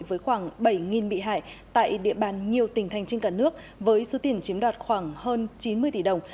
với khoảng bảy bị hại tại địa bàn nhiều tỉnh thành trên cả nước với số tiền chiếm đoạt khoảng hơn chín mươi tỷ đồng